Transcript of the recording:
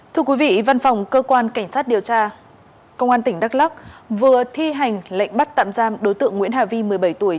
thưa quý vị văn phòng cơ quan cảnh sát điều tra công an tỉnh đắk lắc vừa thi hành lệnh bắt tạm giam đối tượng nguyễn hà vi một mươi bảy tuổi